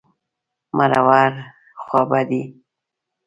مرور... خوابدی.